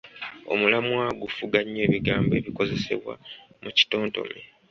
Omulamwa gufuga nnyo ebigambo ebikozesebwa mu kitontome.